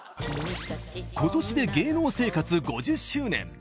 今年で芸能生活５０周年。